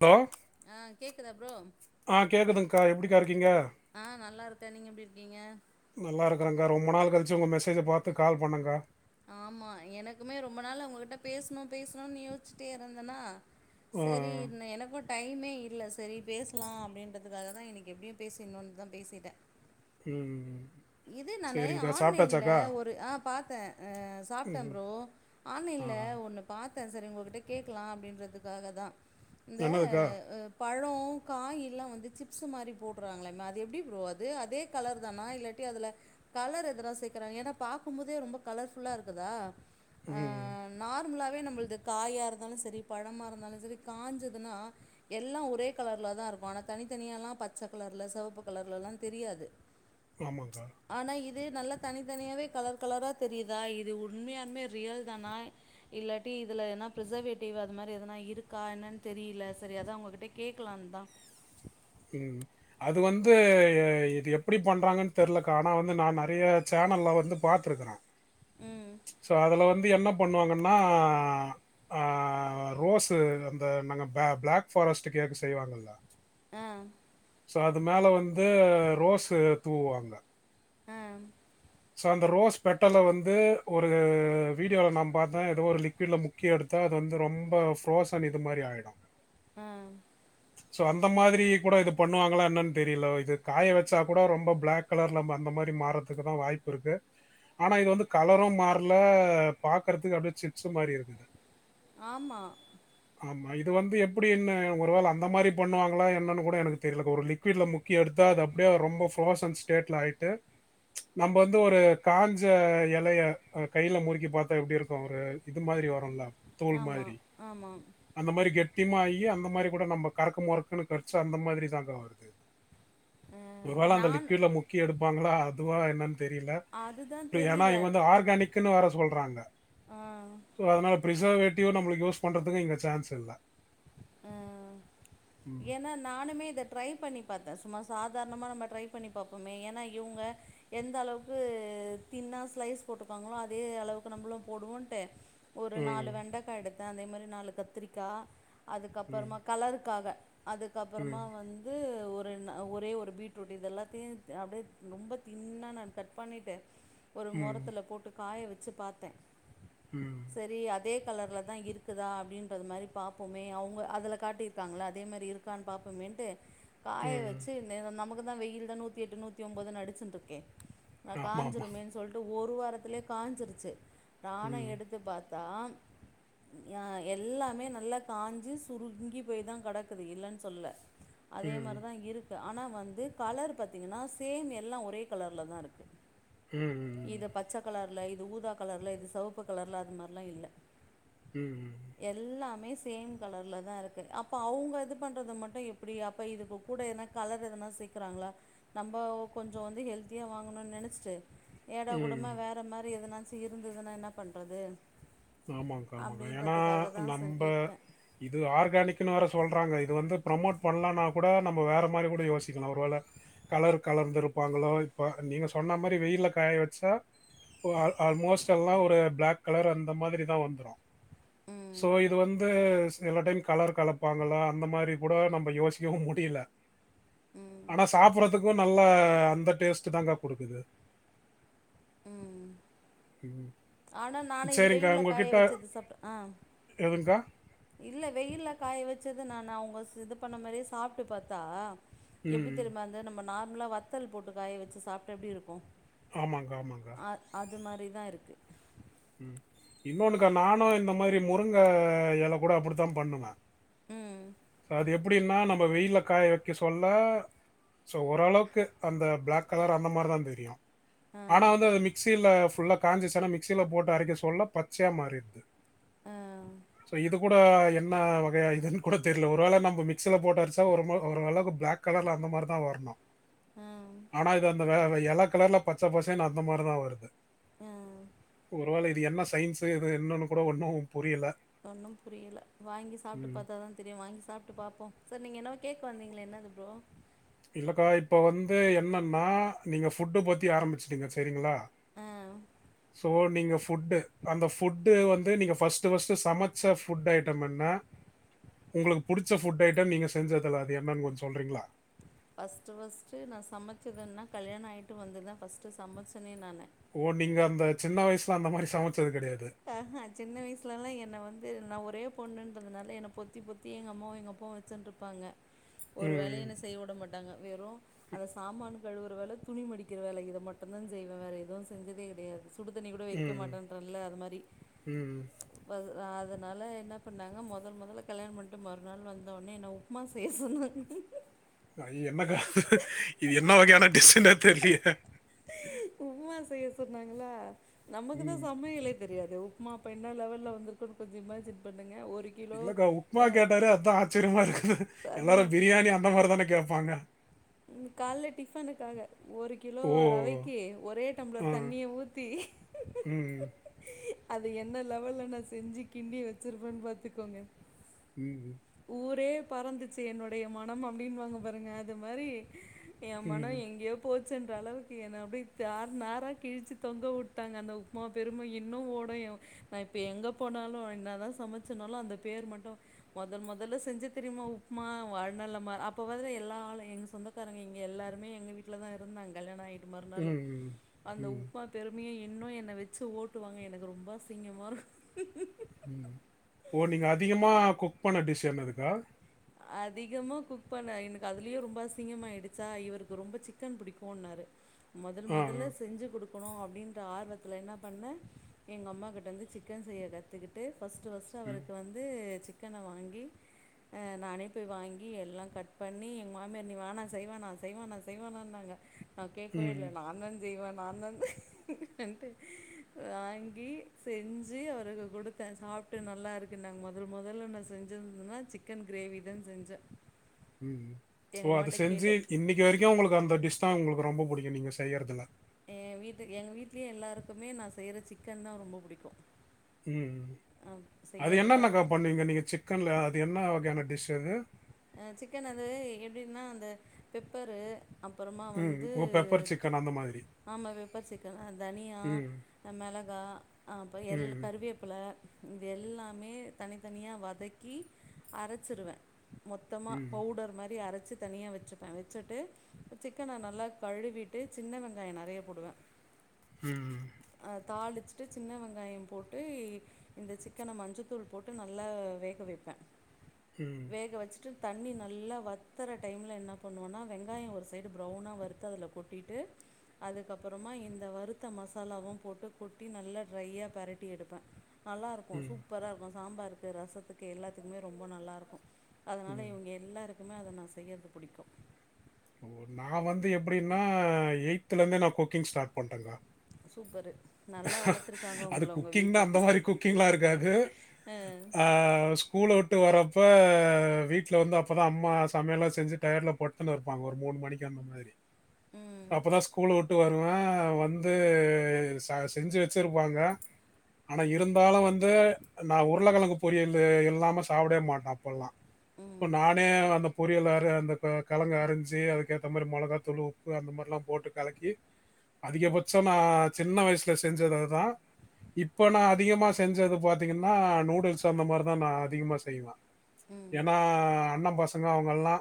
Allow ஆ கேக்குதா bro ஆஹ கேக்குதுங்க்கா எப்டி கா இரு ஆஹ் நல்லா இருக் நீங்க எப்டிருக்கீங்க நல்லா இருக்கறங்கா ரொம்ப நாள் கழிச்சு உங்க மெசேஜ பாத்து கால் பண்ணங்கா ஆமா எனக்குமே ரொம்பொ நாள் உங்ககிட்ட பேசணு பேசணுனு யோசிச்சிட்டே இருந்தேனா ஆ செரி என கூட் டைமே இல்ல செரி பேசலா அப்டின்றதுக்காக தா இன்னைக்கு எப்டியு பேசிர்னுன்னு தா பேசிட்டே ம் இது நானு சேரிங்க்கா ஆன்லைன்ல சாப்ட்டாச்சாக்கா ஒரு அ பாத்தே அ சாப்டென் ம் ப்ரோ ஆ ஆன்லைன்ல ஒன்னு பாத் த சேரி உங்ககிட்ட கேக்லா அப்டின்றதுக்காக தா இந்த என்னதுக்கா அ பழொ காய் எல்லா வந்து சிப்ஸ் மாரி போடுறாங்லாமே அது எப்டி ப்ரோ அது அதே கலர் தானா இல்ல அதுல கலர் எதல்லா [unintelligible] ஏன்னா பாக்கும்போதே ரொம்ப கலர்ஃபுல்லா இருக்குதா ம் ஆஹ் நா நார்மலாவே நம்பளது காயா இருந்தாலு செரி பழமா இருந்தாலு செரி காஞ்சதுன்னா எல்லா ஒரே கலர்ல தா இருக்கு ஆனா தனித்தனியா பச்ச கலர்ல செவப்பு கலர்லலா தெரியாது ஆமாங்கா ஆனா இது நல்லா தனித்தனியாவே கலர் கலரா தெரியுதா இது உண்மையாலுமே ரியல் தானா இல்லாட்டி இதில் எனா ப்ரிசர்வேட்டிவ் அது மாரி எதனா இருக்கா என்னன் தெரியல சரி அதா உங்ககிட்ட கேக்லான்தா ம் அது வந்து இது எப்டி பண்றாங்கன் தெர்லக்கா ஆனா வந்து நா நெறைய சேனல்ல வந்து பாத்துருக்க ம் சோ அதுல வந்து என்ன பண்ணுவாங்கன்னா அஹ் ரோஸு அந்த நாங்க பிளாக் பாரஸ்டு கேக்கு செய்வாங்கல்ல அஹ் சோ அது மேல வந்து ரோஸ் தூவுவாங்க ஆ சோ அந்த ரோஸ் பெட்டல வந்து ஒரு வீடியோல நான் பாத்தே ஏதோ ஒரு லிக்விட்ல முக்கி எடுத்தா அது வந்து ரொம்ப ரோசன் இது மாரி ஆயிடு அஹ் சோ அந்த மாதிரி கூட இது பண்ணுவாங்களா என்னன்னு தெரியல இது காய வச்சா கூட ரொம்ப பிளாக் கலர்ல அந்த மாதிரி மாறதுக்கு தான் வாய்ப்பு இருக்கு ஆனா இது வந்து கலரும் மாறல பாகுறதுக்கு அப்டியே ஷிப்ஸ் மாரி இருக்கு ஆமா ஆமா இது வந்து எப்டி என்ன ஒருவேள அந் அந்த மாரி பண்ணுவாங்களா என்னன்னு கூட எனக்கு தெரியலக்கா ஒரு லிக்விட்டில் முக்கி எடுத்தா அது அப்டியே ரொம்ப ஃப்ரோசன் ஸ்டேட்டில் ஆயிட்டு நம்ம வந்து ஒரு காஞ்ச எலைய கைல முறுக்கி பாத்தா எப்டி இருக்கு ஒரு இது மாதிரி வரும்ல தோல் ஆமா மாரி ஆமா அந்த மாரி கெ திம்மாயி அந்த மாதிரி கூட நம்ப கறக்கு முறக்குன்னு கச்சு அந்த மாதிரிதாங்க வருது ஆ ஒருவேள அந்த நான் லிக்யூட்ல முக்கி எடுப்பாங்களா அதுவா என்ன தெரிலா அதுதான் ஏன்னா தெரியல இங்க வந்து ஆர்கானிக்குனு வர சொல்றாங்க ஆ அதனால பிரிசர்வேட்டிவ் நம்மளுக்கு யோஸ் பண்றதுக்கு இங்க சான்ஸ் இல்ல ஏன்னா நானுமே இத ட்ரை பண்ணி பார்த்தேன் சும்மா சாதாரணமா நம்ம ட்ரை பண்ணி பார்ப்போமே ஏன்னா இவங்க எந்த அளவுக்கு தின்னா ஸ்லைஸ் போட்டுக்காங்களோ அதே அளவுக்கு நம்மளும் போடுவோன்ட்டு ஒரு நாலு ம் வெண்டைக்கா எடுத் அதே மாதிரி நாலு கத்திரிக்காய் அதுக்கப்பறமா ம் கலருக்காக ம் அதுக்கப்பறமா வந்து த ஒரு ன ஒரே ஒரு பீட்ரூட் இது எல்லாத்தையு அப்படியே ரொம்ப தின்னா நா கட் பண்ணிட்டு ஒரு மொரத்துல போட்டு காய வச்சு வச்சு பாத்தே உம் சரி அதே கலர்ல தா இருக்குதா அப்படின்ற மாதிரி பாப்போ மே அவங்க அதுல காட்டியிருக்காங்கள அதே மாதிரி இருக்கான்னு பாப்பமேன்ட்டு காய ம் வச்சு நிற நமக்கு மக்குதா வெயில் தா நூத்தி எட்டு நூத்தி ஒம்போதுனு அடிச்சுன்ட்ருக்கே ந ஆமா ஆமா காஞ்சுருமேன்னு சொல்ட்டு ஒரு வாரத்துலயே காஞ்சிருச்சு நானு ம் எடுத்துப் பாத் தா ய எல்லாமே நல்லா காஞ்சூ சுருங்கி போய் தா கடக்குது இல்லன்னு சொல்லுல அதே ம் மாரிதா இருக்கு ஆனா வந்து கலர் பாத்தீங்கன்னா சேம் எல்லா ஒரே கலர்ல தா இருக்கு ம் இது பச்சக்கலர் இது ஊதா கலர்ல இது செவப்பு கலர்ல அது மாரிலா இல்ல ம் எல்லாமே சேம் கலர்லதா இருக்கு அப்போ அவுங்க இது பண்றத மட்டு எப்படி அப்போ இதுக்கு கூட எதுனா கலர் எதனா சேக்குறாங்களா நம்ம கொஞ்ச வந்து ஹெல்த்தியா வாங்கணுன் நெனச்சிட்டு ஏடா ம் கூடமா வேற மாதிரி எதுனா சீ இருந்ததுன்னா என்ன பண்றது ஆமாக்கா ஆமாங்க ஏன்னா அப்டின்றதுக்காக தான் சார் நம்ப கேட்டேன். இது ஆர்கானிக்ன்னு வேற சொல்றாங்க இது வந்து ப்ரமோட் பண்லனா கூட நம்ம வேற மாதிரி கூட யோசிக்கலா ஒரு வேள கலர் கலந்து இருப்பாங்களோ இப்ப நீங்க சொன்ன மாதிரி வெயில்ல காய வச்சா அ ஆல்மோஸ்ட் எல்லா ஒரு பிளாக் கலர் இந்த மாதிரி தா வந்துரு ம், சோ இது வந்து ச எல்லா டைம் கலர் கலப்பாங்களா அந்த மாதிரி கூட நம்ம யோசிக்கவு முடியல ம், ஆனா சாப்பறதுக்கும் நல்ல அந்த டேஸ்ட் தாங்க்கா கொடுக்குது உம் உம் ஆனா நான இது வெயில்ல காய வச்சது சாப்டா ஆஹ் எதுங்கா? இல்ல வெயில்ல காய வச்ச சது நா அவுங்க இது பண்ண மாதிரியே சாப்ட்டு பாத்தா எப்டி ம். தெரிமா அந்த நம்ம நால நம்ளா வத்தல் போட்டு காய வச்சு சாப்டா எப்டி இருக்கு ஆமாங்க ஆமாங்க அது மாரி தா இருக்கு ம் இன்னொன்னுக்கா நானு இந்த மாரி முருங்க எல கூட அப்டித்தா பண்ணுவே உம் சோ அது எப்டின்னா நம்ம வெயில காய வெக்க சொல்ல சோ ஓரளவுக்கு அந்த பிளாக் கலர் அந்த மாரிதா தெரியு ஆ ஆனா வந்து அது மிக்சியில ஃபுல்லா காஞ்சிச்சினா மி க்சில போட்டு அரைக்க சொல்ல பச்சையா மாறித்து ஆ சோ இது கூட என்ன வகயா இதுன் கூட தெர்ல ஒரு வேல நம்ப மிக்சில போட்டு அரச்சா ஒரு மு ஒரு அளக்வுக் பிளாக் கலர்லா அந்த மாரிதா வர்ணு ஆ ஆனா இத அந்த வே [unintelligible] எல கலர்ல பச்ச பசேன்னு அந்த மாரி தா வருது ஆ ஒரு வேல இ இது என்ன சயின்ஸு இது என்னன்னு கூட ஒன்னு ஒண்ணும் புரியில வாங்கி சாப்ட்டு ம். பாத்தா தா தெரியு வாங்கி சாப்ட்டு பாப்போ சேர் நீங்க என்னவோ கேக்க வந்தீங்ளே என்னது ப்ரோ இல்லக்கா இப்ப வந்து என்னன்னா நீங்க ஃபுட்டு பத்தி ஆரம்பிச்சுட்டீங்க செரிங்ளா அ சோ நீங்க ஃபுட்டு அந்த ஃபுட்டு வந்து நீங்க ஃபஸ்ட்டு ஃபஸ்ட்டு சமைச்ச ஃபுட் ஐட்டம் என்னா உங்குளுக்கு புடிச்ச ஃபுட் ஐட்டம் நீங்க செஞ்சதல அது என்னன் கொஞ் சொல்றீங்ளா ஃபஸ்ட்டு ஃபஸ்ட்டு நா சமச்சதுன்னா நா கல்யணோ ஆய்ட்டு வந்தது தா ஃபஸ்ட்டு சமைச்சனே நானு ஓ நீங்க அந்த சின்ன வயசுல அந்த மாரி சமச் அ அ சின்ன வயஸ்ல லா என்ன வந்து நா ஒரே பொண்ணுன்றதுனால என்ன பொத்தி பொத்தி எங்க அம்மாவு எங்க அப்பாவு வச்சுஞ்ட்ருப்பாங்க ஒரு வேல ம் என்ன செய்ய விட மாட்டாங்க வெறு அதை சாமான கழுவற வேல துணி மடிக்கிற வேல இத மட்டுந்தா செய்வே வேற எதுவும் செஞ்சதே கெடயாது சுடு தண்ணி கூட வெக்க மாட்டேன்றல அது மாரி ம் ம் அதனால என்ன பண்ணாங்க மொதல் மொதல்ல கல்யாணம் பண்ணிட்டு மறுநாள் வந்த உட்னே என்ன உப்புமா சேய்ய சொன்னாங்க ஐய, என்னக்கா இது என்ன வகையான டிஷ்ஷுன்னே தெரியலையே உப்மா செய்ய சொ ன்னாங்களா நமக்குதா ம் சமையலே தெரியாது உப்மா அப்போ என்ன லெவல்லல வந்துருக்குன் கொஞ்சோ இமாஜின் பண்ணுங்க ஒரு கிலோ இல்லக்கா உப்மா அஹ் கேட்டாரே அத்தா ஆச்சரியமா இருக்குது எல்லாரு பிரியாணி அந்த மாரி தானே கேப்பாங்க உ கால டிஃபனுக்காக ஒரு கிலோ ஓ ரவைக்கு ஒரே ஆ டம்ளர் தண்ணிய ஊத்தி ம் அது என்ன லெவல்ல நான் செஞ்சு கிண்டி வச்சிருப்பேன்னு பாத்துக்கோங்க உஹம் ஊரே பறந்துச்சு என்னுடைய மனம் அப்டின்னு வாங்க பாருங்க அது மாரி ஏமானா ம் எங்கேயோ போ சச்சன்ற அளவுக்கு என் அப்படியறு நேரா கிழிச்சி தொங்க விட்டாங்க அந்த உப்புமா பெருமை இன்னும் ஓடும் என் நான் இப்ப எங்க போனாலும் என்ன தான் சமைச்சனாலும் அந்த பேர் மட்டும் முதல் முதல்ல செஞ்சு தரியுமா உப்புமா வாநலம அப்போ பதல எல்லா ஆளும் எங்க சொந்தக்காரங்க எங்க எல்லாருமே எங்கள் வீட்ல தான் இருந்தாங்க கல்யணம் ஆகி ட்டு மறுநாள் ம் அந்த ம் உப்புமா பெறுமையே என் இன்னும் என்னை வச்சு ஓட்டுவாங்க எனக்கு ரொம்ப அசிங்கமாக இருக்கும் உம் ஓ நீங்க அதிகமா குக் பண்ண டிஷ் என்னதுக்கா அதிகமா குக் பண்ண எனக்கு அதுலயே ரொம்ப அசிங்கமாயிடுச்சா இவருக்கு ரொம்ப சிக்கன் பிடிக்கும்ன்னாரு முதல் ஆ முதல்ல ஆ. செஞ்சு கொடுக்க கணும் அப்டின்ற ஆர்வத்தில் என்ன பண்ணே எங்கள் அம்மாக்கிட்ட வந்து சிக்கன் செய்ய கத்துக்கிட்டு ஃபஸ்ட்டு ஃபஸு ம் அவருக்கு வந்து ச சிக்கனை வாங்கி அ நானே போய் வாங்கி எல்லாம் கட் பண்ணி எங் மாமியார் நீ வனா செய்வனா செய்வனா செய்வானான்னாங்க நான் கேட்கவே இல்லை ம் நான் தான் செய்வ நா தன் செய்வன்டு வாங்கி செஞ்சு அவருக்கு கொடுத்தேன் சாப்டு நல்லா இருக்கு நாங்க முதல் முதல்ல நான் செஞ்சந்தன்னா சி சிக்கன் கிரேவி தான் செஞ்சேன் ம் ஓ எங்கள் அது அம்மாட்ட செஞ்சு கேட்டேன் இன்னைக்கு வரைக்கும் உங்களுக்கு அந்தடி ஸ் தான் உங்களுக்கு ரொம்ப பிடிக்கும் நீங்க செய்யறதுல என் வீட்டு எங்கள் வீட்லேயே எல்லாருக்குமே நா செய்கிற சிக்கன் தான் ரொம்ப பிடிக்கும் உம் அது என்னன்னக்கா பண்ணுவீங்க நீங்க சிக்கன்ல அது என்ன வகையான டிஷ் அது அஹ் சிக்கன் அது எப்டின்னா அந்த பெப்பரு அப்புறமா ம் வந்து ஓ பெப்பர் சிக்கன் அந்த மாதிரி ஆமாம் வெப்பர் சிக்கன் தனியா ம் மிளகா அப்புறோ எல் ம் கருவேப்பில இ எல்லாமே தனித்தனியாக வதக்கி அரைச்சிருவேன் மொத்தமாக ம் பவுடர் மாரி அரைச்ச வச்சு தனியாக வச்சுப்பேன் வச்சுட்டு சிக்கன நல்லா கழுவிட்டு சின்ன வெங்காயம் நெறைய போடுவேன் உம் தாளிச்சிட்டு சின்ன வெங்காயம் போட்டு இந்த சிக்கன மஞ்சத்தூள் போட்டு நல்லா வேக வைப்பேன் ம் வேக வச்சு ட்டு தண்ணி நல்லா வத்தற டைம்ல என்ன பண்ணுவோன்னா வெங்காயம் ஒரு சைடு ப்ரௌனா வறுத்த அதுல கொட்டிட்டு அதுக்கப்புறமா இந்த வறுத்த மசாலாவும் போட்டு கொட்டி நல்லா ட்ரையா பெரட்டி எடுப்பேன் நல்லா இருக்கும் ம் சூப்பரா இருக்கும் சாம்பாருக்கு ரசத்துக்கு எல்லாத்துக்குமே ரொம்ப நல்லாருக்கும் உம் குமே அத நான் செய்யறது புடிக்கும் ஓ நா வந்து எப்டின்னா எய்ட்த்துலருந்தே நா குக்கிங் ஸ்டார்ட் பண்ட்டங்கா சூப்பரு நல்லா வளர்த்துருக்காங்க அது உங்களை உங்கள் குக்கிங்தா வீட்டில் அந்த மாரி குக்கிங்லா இருக்காது ம் ஆஹ் ஸ்கூலவுட்டு வரப் ப வீட்ல வந்து அப்பதா அம்மா சமையல்லா செஞ்சு டயர்ட்ல படுதுனு இருப்பாங்க ஒரு மூணு மணிக்கு அந்த மாதிரி ம் அப்பதா ஸ்கூலுவுட்டு வருவே வந்து ச செஞ்சு வச்சிருப்பாங்க ஆனா இருந்தாலு வந்து நா உருளக்கெழங்கு பொரியலு இல்லாம சாப்படவே மாட்டே அப்பல்லா இப்ப நானே அனுப் பொரியல் அற அந்த ப கழங்க அரிஞ்சி அதுக்கேத்த மாரி மொளகாத்தூளு உப் ப்பு அந்த மார்லா போட்டு கலக்கி அதிகபட்ச நா சின்ன வயசுல செஞ்சது அதுதா இப்ப நா அதிகமா செஞ்சது பாத்தீங்கனா நூடுல்ஸு அந்த மார்தா நா அதிகமா செய்வே ம் ஏனா அண்ணம் பசங் ங்க அவ்ங்கல்லா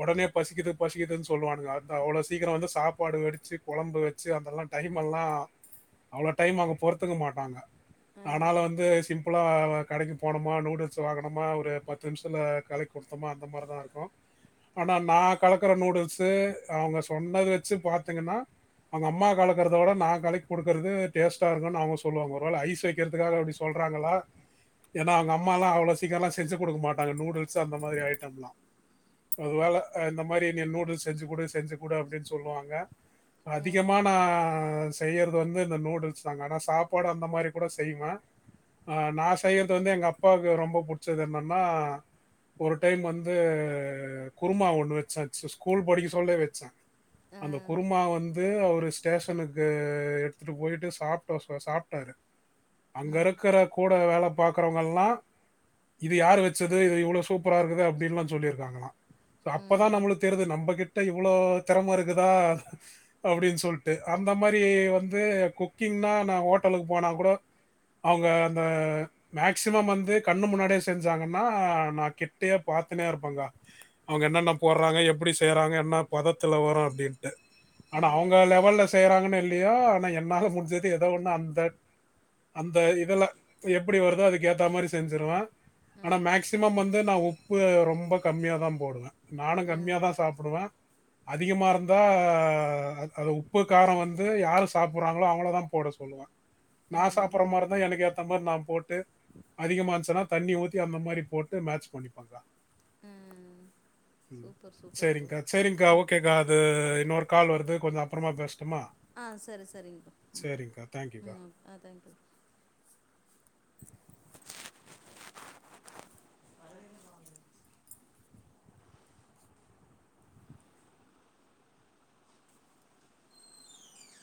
ஒடனே பசிக்குது பசிக்குதுன் சொல்லுவானுங்க அந்த அவ்ளோ சீக்கிர வந்து சாப்பாடு வடிச்சு கொழம்பு வச்சு அதெல்லா டைம் எல்லா அவ்ளோ டைம் அவ்ங்க பொறுத்துக்க மாட்டாங்க ஆ ஆனாலு வந்து சிம் ப்லா கடைக்கு போனமா நூடுல்ஸ் வாங்குனமா ஒரு பத்து நிம்ஷத்துல கலக்கி குடுத்தோமா அந்த மார்தா இருக்கு ஆனா நா கலக்குற நூடுல்ஸு அவ்ங்க சொன்னது வச்சு பாத்தீங்கனா அவ்ங்க அம்மா கலக்கறத விட நா கலக்கி குடுக்கறது டேஸ்ட்டா இருக்குன் அவ்ங்க சொல்லுவாங்க ஒருவேள ஐஸ் வைக்கற்துக்காக அப்டி சொல்றாங்களா ஏனா அவ்ங்க அம்மால்லா அவ்ளோ சீக்கரல்லா செஞ்சு குடுக்க மாட்டாங்க நூடுல்ஸு அந்த மாதிரி ஐட்டம்லா ஒரு வேல அஹ் இந்த மாரி நீ நூடுல்ஸ் செஞ்சு குடு செஞ்சு குடு அப்டின் சொல்லுவாங்க ம் அதிகமா நா செய்யறது வந்து இந்த நூடுல்ஸ் தாங்க ஆனா சாப்பாடு அந்த மாரி கூட செய்வே அஹ் நா செய்யறது வந்து எங்க அப்பாவுக்கு ரொம்ப புட்ச்சது என்னன்னா ஒரு டைம் வந்து குருமா ஒன்னு வெச்சே சு ஸ்கூல் படிக்க சொல்லே வெச்சே ஆ அந்த குருமா வந் து அவரு ஸ்டேஷனுக்கு எடுத்துட்டு போயிட்டு சாப்ட்ட சொ சாப்ட்டாரு அங்க ம் இருக்குற கூட வேலப் பாக்குறவ்ங்கல்லா இது யாரு வெச்சது இது இவளோ சூப்பரா இருக்குது அப்டின்லா சொல்லிருக்காங்களா சோ அப்பதா ம் நம்மளுக்கு தெரிது நம்பக்கிட் ட்ட இவ்ளோ தெரம இருக்குதா அப்டின் சொல்ட்டு அந்த மாரி வந்து குக்கிங்னா நா ஹோட்டலுக்கு போனாக் கூட அவ்ங்க அந்த மேக்சிமம் வந்து கண்ணு முன்னாடியே செஞ்சாங்கனா நா கிட்டயே பாத்துனே இருப்பங்க அவ்ங்க என்னென்ன போட்றாங்க எப்டி செய்றாங்க என்ன பதத் த்துல வரு அப்டின்ட்டு ஆனா அவ்ங்க ம் லெவல்ல செ தெய்றாங்கனு இல்லையோ ஆனா என்னால முடிஞ்சது எதோ ஒன்னு அந்த அந்த இதுல எப்டி வருதோ அதுக்கு ஏத்த மாரி செஞ்சுருவே ஆ ஆனா மேக்சிமம் வந்து நா உப் ப்பு ரொம்ப கம்மியாதா போடுவே நானு ம் கம்மியாதா சாப்டுவே அதிகமா இருந்தா அ அத உப்பு காரோ வந்து யாரு சாப்புறாங்ளோ அவ்ங்களதா போட சொல்லுவ நா ம் சாப்ற மார்ருந்தா எனக்கு ஏத்த மார் நா போட்டு அதிகமா இருன்ச்சுனா தண்ணி ஊத்தி அந்த மாரி போட்டு மேச் பண்ணிப்பேக்கா உம் சூப்பர் ப்ரோ செரிங்க்கா செரிங் கேக்காது இன்னொரு கால் வருது கொஞ்ச அப்றமா பேச ஆஹ் செரி செரிங்ப்பா ம் சரிங்கக்கா தேங்க்யூக்கா ம் ஆ தேங்க்யூ